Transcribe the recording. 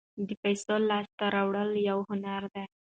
د پیسو لاسته راوړل یو هنر دی.